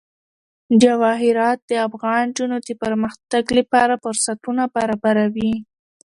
جواهرات د افغان نجونو د پرمختګ لپاره فرصتونه برابروي.